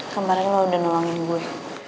kemaren lo udah nolongin gue